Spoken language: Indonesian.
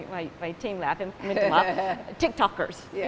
tim saya ketawa tiktokers